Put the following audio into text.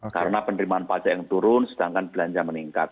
karena penerimaan pajak yang turun sedangkan belanja meningkat